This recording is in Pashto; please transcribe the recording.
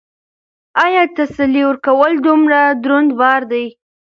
ایا تسلي ورکول دومره دروند بار دی؟